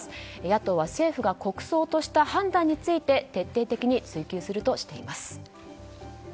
野党は政府が国葬とした判断について徹底的に追及するとしています。